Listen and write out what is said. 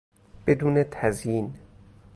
بدون تزیین